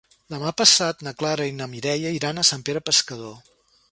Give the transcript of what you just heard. Demà passat na Clara i na Mireia iran a Sant Pere Pescador.